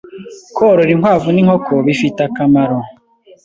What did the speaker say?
Korora inkwavu n’inkoko bifite akamaro